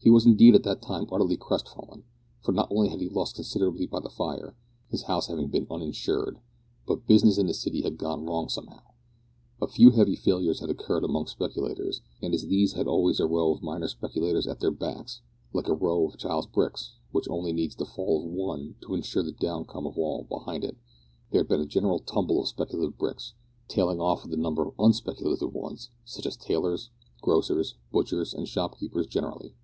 He was indeed at that time utterly crestfallen, for not only had he lost considerably by the fire his house having been uninsured but business in the city had gone wrong somehow. A few heavy failures had occurred among speculators, and as these had always a row of minor speculators at their backs, like a row of child's bricks, which only needs the fall of one to insure the downcome of all behind it, there had been a general tumble of speculative bricks, tailing off with a number of unspeculative ones, such as tailors, grocers, butchers, and shopkeepers generally.